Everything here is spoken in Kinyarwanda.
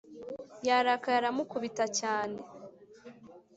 Yarakaye aramukubita cyane